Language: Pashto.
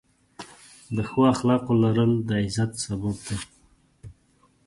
د ښو اخلاقو لرل، د عزت سبب دی.